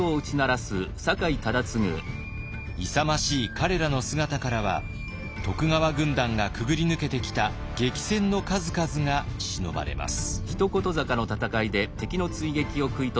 勇ましい彼らの姿からは徳川軍団がくぐり抜けてきた激戦の数々がしのばれます。